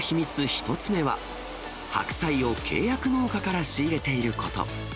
１つ目は、白菜を契約農家から仕入れていること。